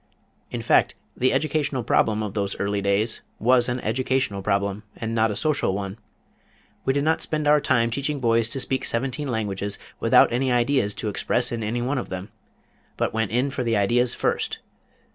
In fact, the educational problem of those early days was an educational problem and not a social one. We did not spend our time teaching boys to speak seventeen languages, without any ideas to express in any one of them, but went in for the ideas first.